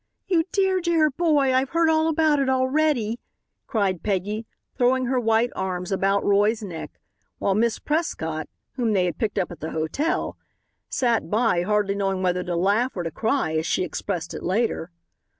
"You dear, dear boy, I've heard all about it already," cried Peggy, throwing her white arms about Roy's neck, while Miss Prescott, whom they had picked up at the hotel, sat by, hardly knowing whether to laugh or to cry, as she expressed it later.